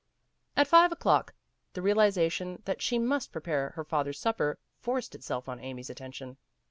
At five o'clock the realization that she must prepare her father's supper forced itself on Amy's attention.